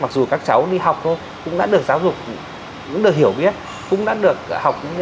mặc dù các cháu đi học thôi cũng đã được giáo dục cũng được hiểu biết cũng đã được học